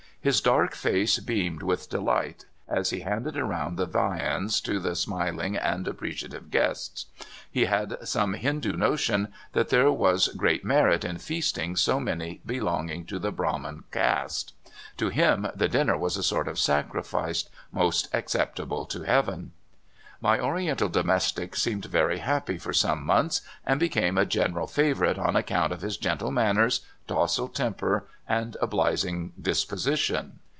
His dark face beamed with delight as he handed around the viands to the smiling and ap preciative guests. He had some Hindoo notion that there was great merit in feasting so man} be CISSAHA. 19 longing to the brahmin caste. To him the dinner was a sort of sacrifice most acceptable to Heaven. My Oriental domestic seemed very happy for some months, and became a general favorite on account of his gentle manners, docile temper, and obliging disposition.